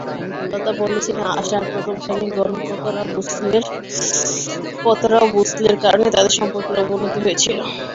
লতা বলেছিলেন, আশার প্রথম স্বামী গণপতরাও ভোঁসলের কারণে তাঁদের সম্পর্কের অবনতি হয়েছিল।